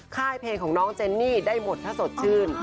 ค่ายเพลงของน้องเจนนี่ได้หมดถ้าสดชื่น